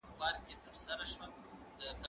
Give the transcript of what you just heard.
زه پرون سړو ته خواړه ورکوم!؟